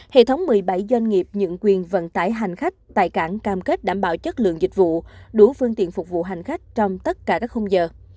hệ thống một mươi bảy doanh nghiệp nhận quyền vận tải hành khách tại cảng cam kết đảm bảo chất lượng dịch vụ đủ phương tiện phục vụ hành khách trong tất cả các khung giờ